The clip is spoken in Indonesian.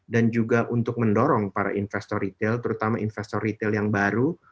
dan juga untuk mendorong para investor retail terutama investor retail yang baru